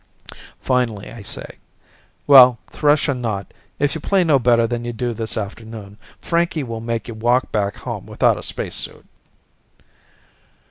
Finally, I say, "Well, thrush or not, if you play no better than you do this afternoon, Frankie will make you walk back home without a spacesuit."